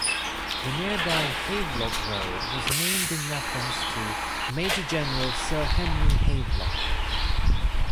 The nearby Havelock Road was named in reference to Major-General Sir Henry Havelock.